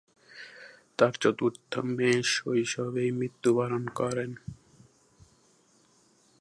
তার চতুর্থ মেয়ে শৈশবেই মৃত্যুবরণ করেন।